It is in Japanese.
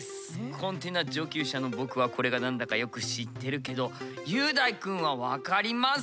コンテナ上級者の僕はこれが何だかよく知ってるけど雄大くんはわかりますか？